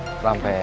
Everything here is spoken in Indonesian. sampai jumpa lagi